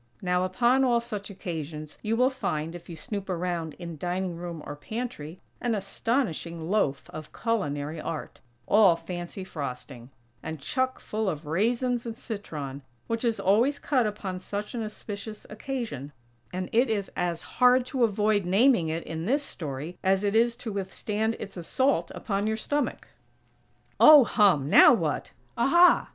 Now, upon all such occasions you will find, if you snoop around in dining room or pantry, an astonishing loaf of culinary art, all fancy frosting, and chuck full of raisins and citron, which is always cut upon such an auspicious occasion; and it is as hard to avoid naming it, in this story, as it is to withstand its assault upon your stomach. Oh hum! Now what? Aha!